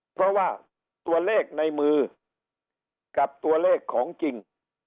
เพราะว่าตัวเลขในมือกับตัวเลขของจริง